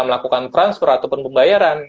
melakukan transfer ataupun pembayaran